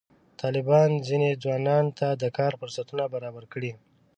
طالبانو ځینو ځوانانو ته د کار فرصتونه برابر کړي.